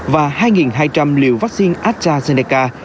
và hai hai trăm linh liều vaccine astrazeneca